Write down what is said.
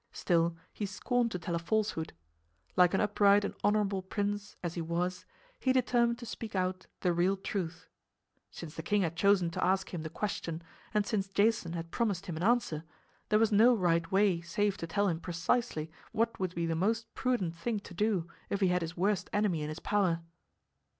Still, he scorned to tell a falsehood. Like an upright and honorable prince, as he was, he determined to speak out the real truth. Since the king had chosen to ask him the question and since Jason had promised him an answer, there was no right way save to tell him precisely what would be the most prudent thing to do if he had his worst enemy in his power.